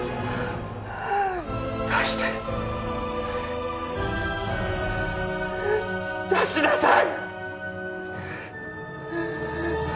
出して出しなさい！